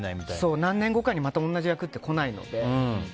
何年後かにまた同じ役って来ないので。